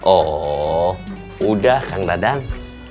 oh udah kang dadang